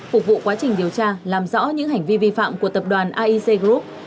phục vụ quá trình điều tra làm rõ những hành vi vi phạm của tập đoàn aic group